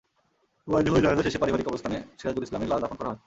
বাদ জোহর জানাজা শেষে পারিবারিক কবরস্থানে সিরাজুল ইসলামের লাশ দাফন করা হয়।